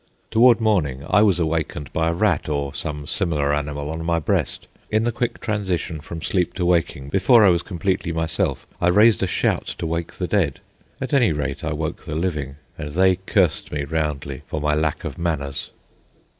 Toward morning I was awakened by a rat or some similar animal on my breast. In the quick transition from sleep to waking, before I was completely myself, I raised a shout to wake the dead. At any rate, I woke the living, and they cursed me roundly for my lack of manners.